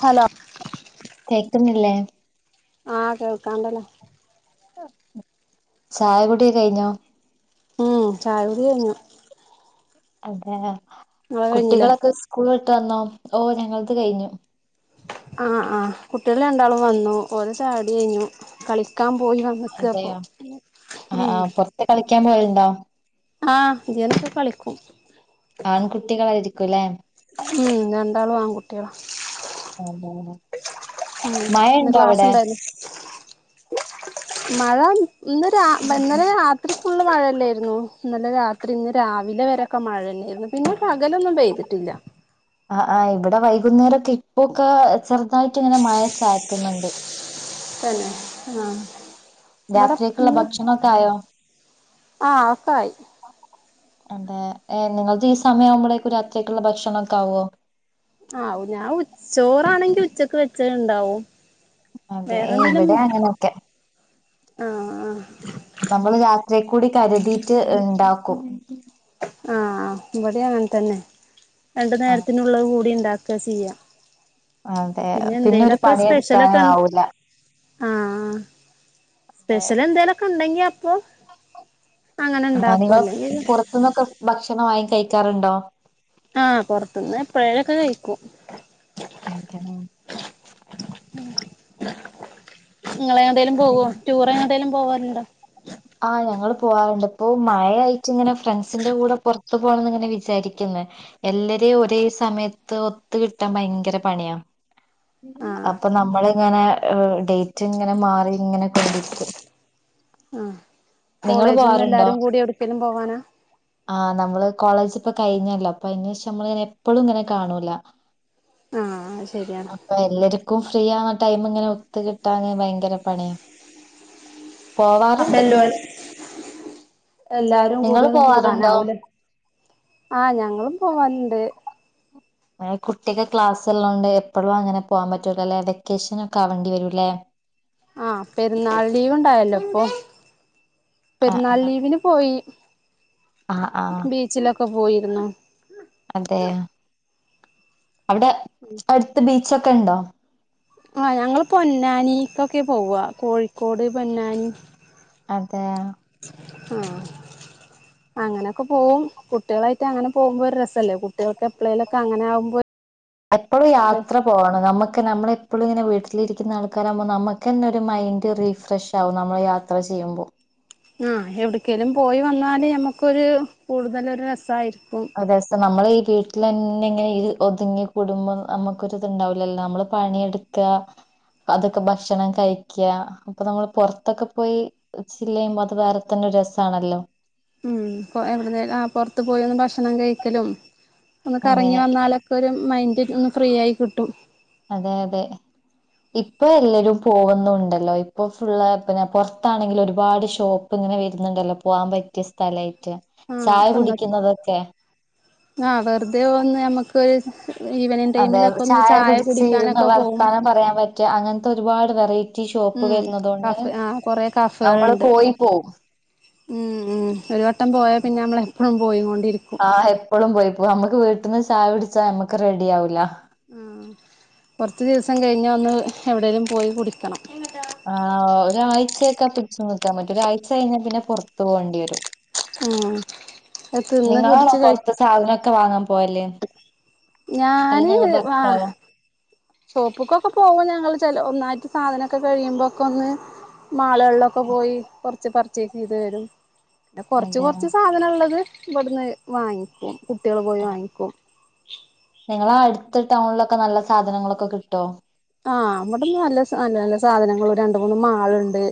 Hello ല്ലേ ആഹ് കേൾക്കാണ്ടല്ല. ചായ കുടി കയിഞ്ഞോ? ഉം ചായ കുടി കയിഞ്ഞു. അതെ. കഴിഞ്ഞില്ലേ കുട്ടികളൊക്കെ സ്കൂൾ വിട്ട് വന്നോ ഓ ഞങ്ങളത് കഴിഞ്ഞു ആഹ് കുട്ടികൾ രണ്ടാളും വന്നു ഓര ചായകുടി കഴിഞ്ഞു കളി ക്കാൻ പോയിവന്ന്ക്ക ഇപോ അതെയോ ഉം ളിക്കാൻ പോല്ണ്ടോ? ആഹ് [unintelligible] കളിക്കും കുലേ. ഉം രണ്ടാളും ആൺകുട്ടികള. ആഹ് ആഹ്. ഉം ഇന്ന് ക്ലാസ് ഇണ്ടായില്ലേ? മഴ ഇന്ന് രാ ഇന്നലെ രാത്രി ഫുള്ള് മഴല്ലേയിരുന്നു ഇന്നലെ രാത്രി ഇന്ന് രാവിലെ വരൊക്കെ മഴന്നെയായിരുന്നു പിന്നെ പകലൊന്നും പെയ്തിട്ടില്ല. ഇല്ല. ആ ഇവിടെ വൈകുന്നേരക്കെ ഇപ്പൊക്ക ചെറുതായിട്ട് ഇങ്ങനെ മഴ ചാറ്റുന്നുണ്ട്. തന്നെ ആഹ്. രാത്രിയേക്കുള്ള ഇവിടെന്ന് ഭക്ഷണൊക്കെ ആയോ ആഹ് ഒക്കായി. അതെ നിങ്ങൾത് ഈ സമയം ആവുമ്പളെക്കും രാത്രിക്കായ്ക്കുള്ള ഭക്ഷണം ഒക്കെ ആവോ? ആ ഞാൻ ഉ ച്ചോറാണെങ്കി ഉച്ചക്ക് വെച്ച ണ്ടാവും അതെ ഏ ഇവിടെ അങ്ങനെയൊക്കെ. ആഹ് ആഹ് നമ്മൾ രാത്രിയക്കൂടി കരുതിയിട്ട് ഇണ്ടാക്കും. ആഹ് ഇവിടെ അങ്ങനെ തന്നെ രണ്ടു ആ നേരത്തിനുള്ളത് കൂടി ഉണ്ടാക്കുക ചെയ്യാ. അതെ പിന്നെ ഒരു എന്തേലൊക്കെ പണിയെടുക്കാനും സ്പെഷ്യലൊക്കെ ആവൂല ആഹ് സ്പെഷ്യൽ എന്തേലൊക്കെ ഉണ്ടെങ്കി അപ്പൊ അങ്ങനെ ഇണ്ടാക്കല്ലെങ്കി ത്തുന്നൊക്കെ ഭക്ഷണം വാങ്ങി കഴിക്കാറുണ്ടോ? ആഹ് പൊറത്തുന്ന് എപ്പോഴേലൊക്കെ കഴിക്കും. അതെ നിങ്ങൾ ഏടെങ്കിലും പോകോ ടൂർ എങ്ങട്ടെലും പോവാറ്ണ്ടോ? ആഹ് ഞങ്ങള് പോവാറുണ്ട് ഇപ്പൊ ഒത്ത പോണംന്ന് ഇങ്ങനെ വിചാരിക്കുന്ന് എല്ലരേം ഒരേ സമയത്ത് ഒത്ത് കിട്ടാൻ ഭയങ്കര പണിയാ. ആഹ് അപ്പൊ നമ്മള ങ്ങനെ ഡേറ്റ് ഇങ്ങനെ മാറി ഇങ്ങനെ. കൊണ്ടിരിക്കും ആഹ് നിങ്ങള് കോളേജിന്ന് പോവാറുണ്ടോ? എല്ലാരും കൂടി എവിട്ക്കേലും പോവാനാ ആ നമ്മള് [unintelligible] ഇപ്പ കഴിഞ്ഞല്ലോ അപ്പയിന് ശേഷം നമ്മള് ഇങ്ങെനെ എപ്പോഴും ഇങ്ങനെ കാണൂല. ആഹ് ശരിയാണ് അപ്പൊ എല്ലര്ക്കും. ഫ്രീ ആന്ന ടൈമിങ്ങനെ ഒത്ത് കിട്ടാൻ ഭയങ്കര പണിയാ. പോവാറിണ്ട്. എല്ലാരും കൂടി നിങ്ങള് ഒന്നും പോവാറുണ്ടോ കൂടാനാവൂലേ. ആഹ് ഞങ്ങളും പോവലിണ്ട്. എ കുട്ടിക്ക് ക്ലാസ്ള്ളത് കൊണ്ട് എപ്പോളും ങ്ങനെ പോകാൻ പറ്റൂലല്ലെ വെക്കേഷൻ ഒക്കെ ആവണ്ടി വരൂല്ലേ? ആ പെരുന്നാൾ ലീവ് ഉണ്ടായല്ലോ ഇപ്പൊ. ആഹ് പെരുന്നാൾ ആഹ് ലീവിന് പോയി. ആഹ് ആഹ് ബീച്ചിലൊക്കെ പോയിരുന്നു. അതെ അവിടെ അടുത്ത് ബീച്ചൊക്കെ ഉണ്ടോ? ആ ഞങ്ങള് പൊന്നാനിക്കൊക്കെ പോവാ കോഴിക്കോട് പൊന്നാനി. അതെ ആഹ് അങ്ങനെയൊക്കെ പോവും കുട്ടികളായിട്ട് അങ്ങനെ പോകുമ്പോ ഒരു രസല്ലേ കുട്ടികൾക്ക് എപ്പളെലൊക്കെ അങ്ങനെ ആകുമ്പോ. എപ്പോഴും ഇത് യാത്ര പോകണം നമ്മുക്ക് നമ്മള പ്പളും ങ്ങനെ വീട്ടിലിരിക്കുന്ന ആൾക്കാരാകുമ്പോ നമുക്ക്ന്നെ ഒരു മൈൻഡ് റിഫ്രഷ് ആകും നമ്മളള് യാത്ര ചെയ്യുമ്പോ. ആഹ് എവിടക്ക്കെലും പോയി വന്നാല് ഞമ്മക്കൊരു കൂടുതല് ഒരു രസായിരിക്കും. അതെ സം നമ്മൾ ഈ വീട്ടിലന്നെ ഇങ്ങനെ ഇ ഒതുങ്ങി കൂടുമ്പോ നമ്മക്കൊരുത് ണ്ടാവില്ലല്ലോ നമ്മള് പണിയെടുത്ത് [unintelligible] അതൊക്കെ ഭക്ഷണം കഴിക്യാ അപ്പൊ നമ്മള് പുറത്തൊക്കെ പോയി ചില്ല് ചെയുമ്പോ അത് വേറെ തന്നെ രസാണല്ലോ? ഉം എവിടന്നേല പുറത്ത് പോയൊന്ന് ഭക്ഷണം കഴിക്കലും. ഒന്ന് കറങ്ങി അങ്ങനെ വന്നാലൊക്കെ ഒരു മൈൻഡ് ഒന്ന് ഫ്രീ ആയി കിട്ടും അതെ അതെ ഇപ്പൊ എല്ലരും പോകുന്നുണ്ടല്ലോ ഇപ്പൊ ഫുള് പിന്നെ പുറത്താണെങ്കിൽ ഒരുപാട് ഷോപ്പ് അങ്ങനെ വരുന്നുണ്ടല്ലോ പോവാൻ പറ്റിയ സ്ഥലയിട്ട് ചായ കുടിക്കുന്നതൊക്കെ ആ വെറുതെ പോന്ന് ഞമ്മക്ക് ഒര് അതെ ചായ കുടിച്ചിരുന്ന് കുടിക്കാനൊക്കെ പോകും വർത്താനം പറയാൻ പറ്റ്വ അങ്ങനത്തെ ഒരുപാട് വെറൈറ്റി ഷോപ്പ് ഉം വരുന്നതുകൊണ്ട് കഫ് ആഹ നമ്മള് കൊഫേകഫകൾുണ്ട് പോയി പോവും ഉം ഉ ഒരു വട്ടം പോയാൽ പിന്നെ നമ്മളെപ്പോഴും പോയി കൊ ആഹ് എപ്പോഴും പോയിപ്പോ നമ്മുക്ക് വീട്ടിൽന്ന് ചായ പിടിച്ചാ നമ്മുക്ക് റെഡി ആാവൂല. ആ കുറച്ചു ദിവസം കഴിഞ്ഞ ഒന്ന് എവിടെേലും പോയി കുടിക്കണം ആ ഒരാഴ്ചയക്കെ പിടിച്ചു നിക്കാൻ പറ്റും ഒരാഴ്ച കഴിഞ്ഞാ പിന്നെ പുറത്തു പോകേണ്ടി വരു. ഉം അത് തിന്ന് നിങ്ങളാണോ കുടിച്ച് കഴി പൊറത്ത സാധനൊക്കെ വാങ്ങാൻ പോവല് അതോ ങ്ങള് ഭർത്തവാ ഷോപ്പക്കൊക്കെ പോകുമോ ഞങ്ങള്ൾ ചില ഒന്നായിട്ട് സാധനമൊക്കെ കഴിയുമ്പോക്കെ ഒന്ന് മാൾകളിലൊക്കെ പോയി കൊറച്ച് പർച്ചേസ് ചെയ്ത് വരും. പി കൊറച്ച് അതെ കുറച്ച് സാധനം ഉള്ളത് ഇവിടുന്ന് വാങ്ങിക്കും കുട്ടികള് പോയി വാങ്ങിക്കും. നിങ്ങള അടുത്ത ടൗണിലൊക്കെ നല്ല സാധനങ്ങളൊക്കെ കിട്ടോ? ആഹ് അമ്മട നല്ല നല്ല നല്ല സാധനങ്ങ രണ്ട മൂന്ന് മാളുണ്ട്.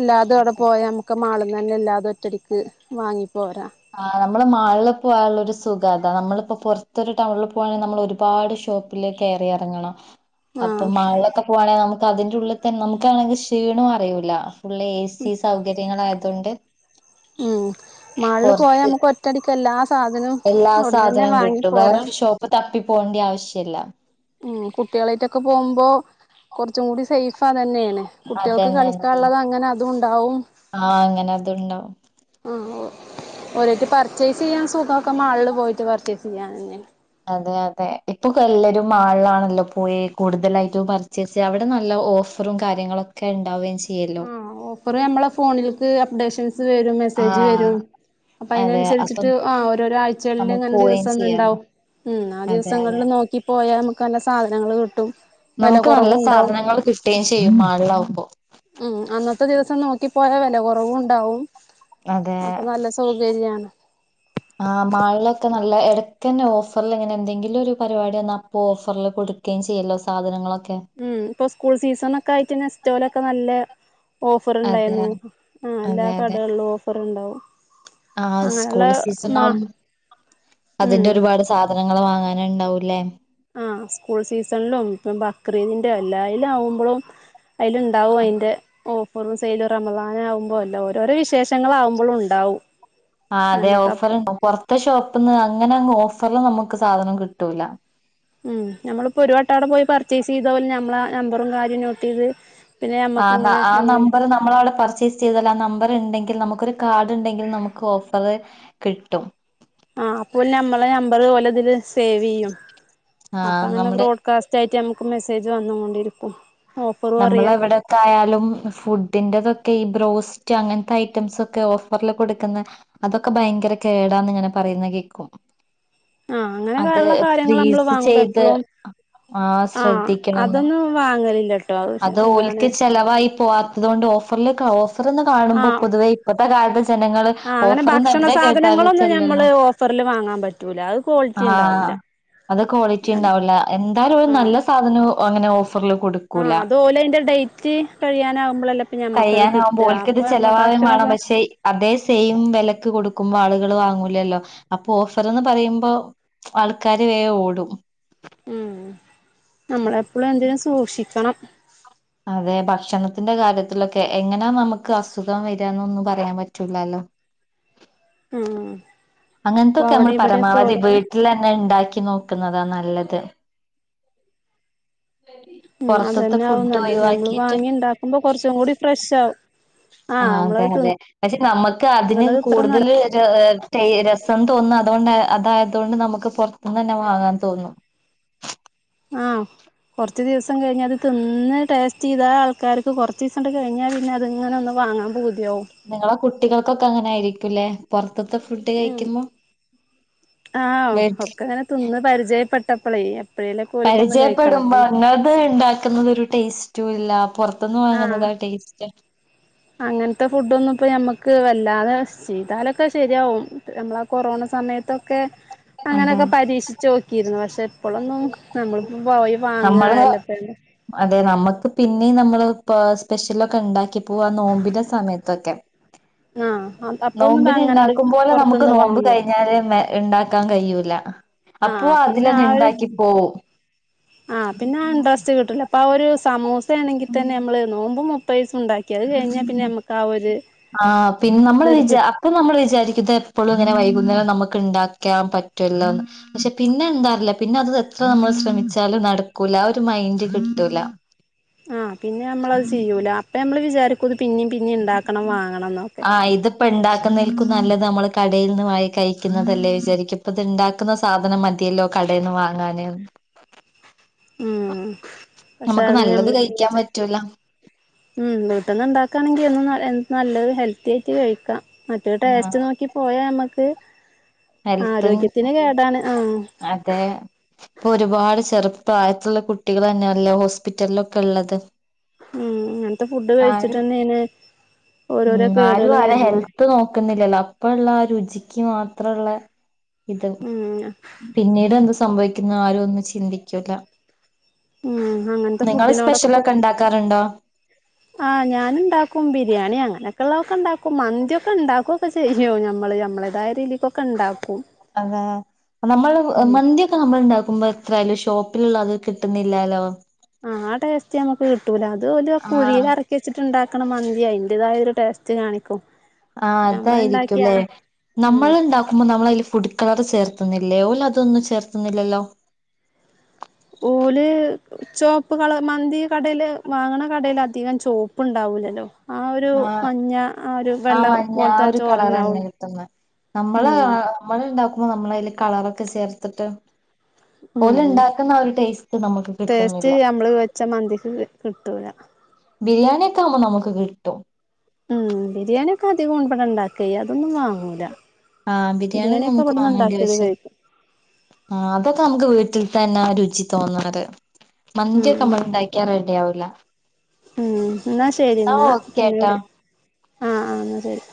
എല്ലാതും അവിടെ പോയാ നമുക്ക് മാളിൽ തന്നെ എല്ലാതും ഒറ്റടിക്ക് വാങ്ങി പോരാ ആ് നമ്മളെ മാളില പോയാലുള്ള ഒര് സുഖ താ നമ്മളിപ്പോ പൊറത്തൊര് ടൗണിൽ പോവാണെങ്കിൽ നമ്മൾ ഒരുപാട് ഷോപ്പിൽ കേറിയിറങ്ങണം അപ്പൊ ആഹ് മാളൊക്കെ പോവാണെങ്കിൽ നമുക്ക് അതിന്റെ ഉള്ളിൽ തന്നെ നമുക്കാണെങ്കിൽ ശ് ക്ഷീണും അറിയൂലഫുള്ള് എ സി സൗകര്യങ്ങളൾ ആയതുകൊണ്ട് ഉം മാളില് പോയാ നമുക്ക് ഒറ്റടിക്ക് എല്ലാ സാധ എല്ലാ സാധനവും കിട്ടും വേറരു ഷോപ്പ് തപ്പി പോകേണ്ടി ആവശ്യല്ല. ഉം കുട്ടികളായിട്ടൊക്കെ പോകുമ്പോ കുറച്ചും കൂടി സേയ്ഫ് അതെ ന്നെയാണ്. കുട്ടികൾക്ക് അതന്നെ നല്ല കളിക്കാനുള്ളത് അങ്ങനെ അതുംണ്ടാവും ആഹ് അങ്ങനെ അതുണ്ടാവും ആ ഓ ഒരട്ട് പർച്ചേസ് ചെയ്യാൻ സുഖൊക്കെ മാളില് പോയിട്ട് പർച്ചേസ് ചെയ്യാൻ തന്നെ അതെ അതെ ഇപ്പൊ എല്ലാരും മാളാണല്ലോ പോയി കൂടുതലായിട്ടും പർച്ചേസ് അവിടെ നല്ല ഓഫറും കാര്യങ്ങളൊക്കെ ഉണ്ടാവുക ചെയ ആ ഓഫറ് നമ്മള ഫോണിലക്ക് അപ്ഡേഷൻസ് വരും മെസ്സേജ് ആഹ് വരും. അപ്പൊ അതെ അപ്പം അതിനനുസരിച്ചിട്ട് ആ് ഓരോരോ ആഴ്ചകളിലും നമുക്ക് ഇങ്ങനെ പോവുകയും ദിവസം ചെയ്യാലോ ഒന്നുണ്ടാവും ഉം ആ അതെ അതെ ദിവസങ്ങളിൽ നോക്കി പോയാൽ നമുക്ക് നല്ല സാധനങ്ങള്ൾ കിട്ടും. വില നമ്മുക്ക് നല്ല കുറവും ഉണ്ടാവും സാധനങ്ങൾ കിട്ടുകയും ചെയ്യും മാളിലാകുമ്പോ ഉ അന്നത്തെ ദിവസം നോക്കിപ്പോയാ വെലകറവും ഉണ്ടാവും അതെ അപ്പൊ നല്ല സൗകര്യണ് ആ മാളിൽ ഒക്കെ നല്ല ഇടയ്ക്കന്നെ ഓഫറിൽ ഇങ്ങനെ എന്തെങ്കിലും ഒരു പരിപാടി വന്ന അപ്പോ ഓഫറിൽ കൊടു കൊടുക്കയും ചെയ്യല്ലോ സാധനങ്ങളൊക്കെ? ഉം ഇപ്പൊ സ്കൂൾ സീസൺ ഒക്കെ ആയിട്ട് നസ്‌റ്റോലൊക്കെ നല്ല അതെ ഓഫർണ്ടായിരുന്നു ആ എല്ലാ കടകളിലും ഓഫറ ണ്ടാവും ആഹ സ്കൂൾ സീസനാവും ഉം അതിന്റെ ഒരുപാട് സാധ ധനങ്ങൾ വാങ്ങാന് ഉണ്ടാവൂല്ലേ? ആഹ സ്കൂൾ സീസണിലും ഇപ്പം ബക്രീതിന്റെ എല്ലായലും ആവുമ്പലും അയിലുണ്ടാവും അയിന്റെ ഓ കുറു സൈലും റമളാൻ ആകുമ്പോ അല്ല ഓരോരോ വിശേഷങ്ങളൾ ആകുമ്പോഴും ഉണ്ടാവും ആ അതെ ഞമ്മക്കപ്പൊ ഓഫർണ്ടോ പൊറത്തെ ഷോപ്പ് - അപ്പ അങ്ങനെ ഓഫറിൽ നമുക്ക് സാധനം കിട്ടൂല. ഉം നമ്മളിപ്പോ ഒരു വട്ട അവടെപോയി പർച്ചേസ് ചെയ്ത പോലെ നമ്മളെ ആ നമ്പറും കാര്യവും നോട്ട് ചെയ്ത് പിന്നെ ആ നമ്മക്ക് ഇങ്ങനെ ആ എന്നും നമ്പർ നമ്മൾ അവിടെ പർച്ചേസ് ചെയ്തല്ലോ ആ നമ്പർ ഇണ്ടെങ്ക കിൽ നമുക്കരു കാർഡ് ഉണ്ടെങ്കിൽ നമുക്ക് ഓഫറ് കിട്ടും. ആഹ അപ്പൊ നമ്മളെ നമ്പറ് ഒലെ ഇതില് സേവ് ചെയ്യും അപ്പ ആഹ് അങ്ങനെ നമ്മുടെ ബ്രോഡ്കാസ്റ്റ് ആയിട്ട് നമുക്ക് മെസ്സേജ് വന്നൊണ്ടിരിക്കും. നമ്മൾ എവിടെൊക്കെ ആയാലും ഫുഡിന്റെ തൊ ഈ ബ്രോസ്റ്റ് അങ്ങനത്തെ ഐറ്റംസ് ഒക്കെ ഓഫറിൽ കൊടുക്കുന്നത് അതൊക്കെ ഭയങ്കര കേടാണ് ഇങ്ങനെ പറ പറയുന്ന കേക്ക ആഹ് അ അങ്ങനെയുള്ള കാര്യങ്ങൾ നമ്മള് ഫ്രീസ് സ വാങ്ങുമ്പോ ചെയ്ത് എപ്പളും [unintelligible] ആഹ ആഹ് ശ്രദ്ധിക്കണന്ന് അതൊന്നും വാങ്ങലില്ലട്ടോ അത് എന്താണ് ഓൽക് ചെലവായി പോവാത്തത് കൊണ്ട് ഓഫറിലേ ഓഫർന്ന് കാണുമ്പോൾ ആഹ് പൊതുവേ ഇപ്പഴത്തെ കാലത്ത്. ജനങ്ങൾ ആഹ് അങ്ങനെ ഓഫർന്ന് ഭക്ഷണ എവിടെ കേട്ടാലും സാധനങ്ങളൊന്നും ചെല്ലല്ലോ നമ്മള് ഓഫറിൽ വാങ്ങാൻ പറ്റൂല അത് ക്വാളിറ്റി ആഹ. ഉണ്ടാവൂല അത് ക്വാളിറ്റി ഉണ്ടാവില്ല എന്തായാലും നല്ല സാധനവും അങ്ങനെ ഓഫറിൽ കൊടു ആഹ അത് ഓൽ അതിന്റെ ഡേറ്റ് കഴിയാനാകുമ്പോ അല്ലെ ഞമ്മക്കത് കഴിയാനാവുമ്പോ കിട്ടാ ഓൽക്കത് അപ്പൊ നമ്മ ചെലവാവേം ഭക്ഷണം വേണം സാധന പക്ഷെ അതേ സെയിം വിലക്ക് കൊടുക്കുമ്പോ ആൾ ലു കാല് വാങ്ങൂലല്ലോ അപ്പൊ ഓഫർന്ന് പറയുമ്പോ ആൾകാര് വേഗം ഓടും. ഉം നമ്മൾ എപ്പോഴും എന്തിനും സൂക്ഷിക്കണം. അതെ ഭക്ഷണത്തിന്റെ കാര്യത്തിലൊക്കെ എങ്ങനെ നമുക്ക് അസുഖം വരന്നൊന്നും പറയാൻ പറ്റൂലല്ലോ.. [inaudible] ഉം അപ്പൊ അങ്ങനത്തൊക്കെ നമ്മൾ അവിടെ ഇവിടെയൊക്കെ പരമാവധി ഓരോരോ വീട്ടിൽ അന്നെ ഉണ്ടാക്കി നോക്കി ക്കുന്നതാ നല്ലത്.. ഉം പുറത്തത്തെ അതെന്നെ ആവും ഫുഡ് നല്ലത് നമ്മള് ഒഴിവാക്കിട്ട് വാങ്ങി ഉണ്ടാക്കുമ്പോ കുറച്ചും കൂടി ഫ്രഷ് ആവും. ആ ആഹ് അതെ നമ്മളത് അതെ പക്ഷെ നമുക്ക് അതിന് തിന്നണത് ഇത്ര നല്ല കൂടുതൽ ഒരു രസം തോന്നുന്നു അതുകൊണ്ട് അതായതോണ്ട് നമുക്ക് പൊറത്തുന്ന് തന്നെ വാങ്ങാൻ തോന്നും. [unintelligible] ആഹ കുറച്ച് ദിവസം കഴിഞ്ഞാൽ അത് തിന്ന് ടസ്റ്റ് ചെയ്താ ആൾക്കാർക്ക് കുറച്ച് ദിവസംണ്ട് കഴിഞ്ഞാൽ പിന്നെ അത് ഇങ്ങനെ ഒ വാങ്ങാൻ പൂതി നിങ്ങളെ കുട്ടികൾക്കൊക്കെ അങ്ങനൊയായിരിക്കുംല്ലേ പുറ ഉ ആ വീട്ടിൽ ഒക്കെ അങ്ങനെ തിന്ന് പരിചയപ്പെട്ടപ്പോളേ. പരിചയപ്പെടുമ്പോ ഇങ്ങള്ത് ഉണ്ടാക്കുന്നുന്നത് ഒരു ടേസ്റ്റും ഇല്ല പുറ ആഹ അങ്ങനത്തെ ഫുഡ്‌ ഒന്നും ഇപ്പൊ ഞമ്മക്ക് ക്ക് വല്ലാതെ ചെയ്താലൊക്കെ ശരിയാവും നമ്മളാ കൊറോണ സമയത്തൊക്കെ. അതെ അങ്ങനെയൊക്കെ പരീക്ഷിച്ചു നോക്കിയിരുന്നു പക്ഷെ. ഇപ്പോളൊന്നും നമ്മളിപ്പോ പോയി നമ്മള് വാങ്ങല്ലപ പൊ സ്പെഷ്യലൊക്കെ ഉണ്ടാക്കിപ്പോ ആ നോമ്പിന്റെ സമയത്തൊക്കെ.. ആ നോമ്പിന് ഉണ്ടാക്കുമ്പോലെ നമുക്ക് നോമ്പ് വാങ്ങൂ കഴിഞ്ഞാല് ഉണ്ടാക്കാൻ കഴിയൂല്ല. അപ്പോ ആഹ് പിന്നെ അതിലന്നെ ആ ഒരു ഉണ്ടാക്കി പോവും ആഹ് പിന്നെ ആ ഇൻട്രസ്റ്റ് കിട്ടൂല അപ്പൊ ആ ഒരു സമൂസയാണെങ്കിൽ തന്നെ നമ്മള് നോമ്പ് മുപ്പയിസം ഉണ്ടാക്കി അത് കഴിഞ്ഞാൽ പിന്നെ നമുക്ക് ആ ഒരു ആ പിന്നെ നമ്മൾ ഇതൊരു വിച അപ്പൊ നമ്മൾ വിചാരിക്കും ത് എപ്പോഴും അങ്ങനെ വൈകുന്നേരം നമുക്ക് ണ്ടാക്കാൻ പറ്റോല്ലോന്ന് പക്ഷെ പിന്നെ ന്താറില്ല പിന്നെ അത് എത്ര നമ്മൾ ശ്രമി ച്ചാലും നടക്കൂല ആ ഒരു മൈൻഡ് കിട്ടൂല. ആ പിന്നെ നമ്മളത് ചെയ്യൂല, അപ്പൊ മ്മള് വിചാരികും ആ ഇതിപ്പോ ണ്ടാക്കുന്നെൽക്കും നല്ലത് നമ്മള് കടയിൽന്ന് വാങ്ങി കഴിക്കുന്നതല്ലേ വിചാരിക്കപ്പത്ണ്ടാക്കുന്ന സാധനം മതിയല്ലോ കടയിൽന്ന് വാങ്ങാന്. [inaudible] ഉം പക്ഷെ നമുക്ക് അത് നല്ലത് നമ്മള് പിന്നെ കഴിക്കാൻ പറ്റൂല ഉം വീട്ടന്ന് ഉണ്ടാക്കാണെങ്കിൽ ഒ [unintelligible] നല്ലത് ഹെൽത്തി ആയിട്ട് കഴിക്കാം, മറ്റേ ആഹ് ടേസ്റ്റ് നോക്കിപ്പോയാമ്മക്ക് ഹെൽത്തും ആഹ് അതെ ഇപ്പൊരുപാട് ചെറുപ്പ പ്രായത്തുള്ള കുട്ടികൾ ന്നെയല്ലേ ഹോസ്പിറ്റല്ലൊക്കെള്ളത്. ഉം ഇങ്ങനത്തെ ഫുഡ് കഴിച്ചിട്ടെന്നെണ്. ഉം ആരും ആരെ ഹെൽത്ത് നോക്കുന്നില്ലല്ലോ അപ്പള്ള ആ രുചിക്ക് മാത്രള്ള ഇത് ഉം പിന്നീട് ന്ത് സംഭവിക്കുന്ന ആരും ഒന്നും ചിന്തിക്കൂല. ഉം അങ്ങനത്തെ നിങ്ങള്, സ്പെഷ്യലൊക്കെ ണ്ടാക്കാറുണ്ടോ? ആ, ഞാന്ണ്ടാക്കും, ബിരിയാണി, അങ്ങനെള്ളക്കണ്ടാക്കും, മന്തിയൊക്കെണ്ടാക്ക്ഒക്കെ ചെയ്യും, ഞമ്മള്. ഞമ്മളെതായ രീതിക്കൊക്കെ ണ്ടാക്കും. അതെ, നമ്മള് മന്തിയൊക്ക, നമ്മൾ ണ്ടാക്കുമ്പോ, എത്രാലും ഷോപ്പിലുള്ളത്, കിട്ടുന്നില്ലാലോ. ആ, ടേസ്റ്റ്നമുക്ക് കിട്ടൂല, അത് ഓല് ആഹ് കുഴീല്അറക്കിച്ചിട്ട്ണ്ടാക്ക ണ, മന്തി അയിന്റേതായ, ഒരു, ടേസ്റ്റ്, കാണിക്കും. ആ, ഞമ്മൾ ഉണ്ടാക്കിയ അതായിരിക്കുംല്ലേ, ഉം നമ്മള് ണ്ടാക്കുമ്പോ, നമ്മളയില് ഫുഡ് കളർചേർത്തുന്നില്ലേ, ഓലതൊന്നും, ചേർത്തുന്നില്ലല്ലോ? ഓല്, ചുവപ്പുകള്മന്തി കടയില്, വാങ്ണ കടേല് അധികം, ചോപ്പ്ണ്ടകും. ലല്ലോ, ആഒരു, ആഹ് മഞ്ഞ, ആഒരു, ആ വെള്ള, മഞ്ഞ ആ പോലത്തെ, ഒരു കളറന്നെ ചോറന്നെആാവും. കിട്ടുന്നെ നമ്മള്, നമ്മള്ണ്ടാക്കുമ്പോ, നമ്മള അതില്, കളറൊക്കെ, ചേർത്തിട്ട് ഉം ഓലുണ്ടാക്കുന്നആ ഒരു, ടേസ്റ്റ്, നമുക്ക് ടേസ്റ്റ് കിട്ടുന്നില്ല. നമ്മള് വെച്ച മന്തിക്ക് കിട്ടൂല ബിരിയാണിക്കെവുമ്പോ, നമുക്ക്, കിട്ടും. ഉം, ബിരിയാണിഒക്കെ, അധികം, ഇബടെണ്ടാക്ക്യ്യാ, അതൊന്നും, വാങ്ങൂല. ആഹ, ബിരിയാണി, ബിരിയാണിയൊക്കെ നമുക്ക്, ഇവിടുന്ന് വാങ്ങേണ്ടി, ഉണ്ടാക്കിയത് വച്ച, കഴിക്കും ആ, അതൊക്കെ, നമുക്ക്, വീട്ടിൽ [unintelligible] തന്നെ, രുചിതോന്നറ്, ഉം മന്തിയൊക്കെ ഉം മ്മള്ണ്ടാക്കിയാ, റെഡിആവൂല. ഉം, ന്നാ, ശരി, ന്നാ, ഓക്കേട്ടോ പിന്നീട്, ആആ ന്നാ, ശരി.